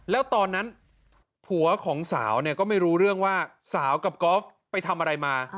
แล้วตอนนั้นผัวของสาวเนี่ยก็ไม่รู้เรื่องว่าสาวกับกอล์ฟไปทำอะไรมา